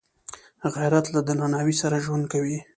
غیرت له درناوي سره ژوند کوي